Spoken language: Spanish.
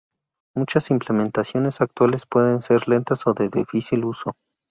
Muchas implementaciones actuales pueden ser lentas o de difícil uso.